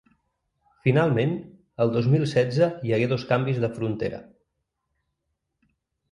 Finalment, el dos mil setze hi hagué dos canvis de frontera.